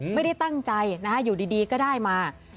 ไม่ได้ตั้งใจนะฮะอยู่ดีก็ได้มา